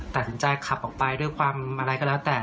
ตัดสินใจขับออกไปด้วยความอะไรก็แล้วแต่